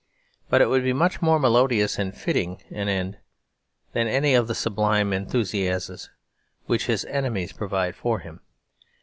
But it would be much more melodious and fitting an end than any of the sublime euthanasias which his enemies provide for him.